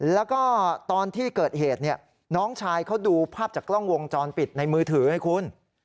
แล้วก็ตอนที่เกิดเหตุน้องชายเขาดูภาพจากกล้องวงจรปิดในมือถือให้คุณ